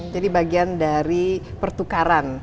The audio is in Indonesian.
jadi bagian dari pertukaran